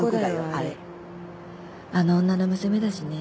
あれあの女の娘だしね